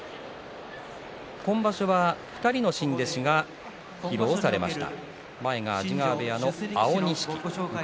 今場所は２人の新弟子が披露されました。